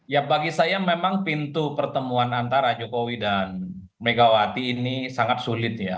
ya bagi saya memang pintu pertemuan antara jokowi dan megawati ini sangat sulit ya